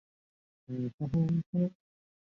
查德威克是以其祖父詹姆斯之名命名。